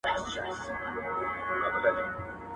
او بې ځایه غوښتني تپلي دي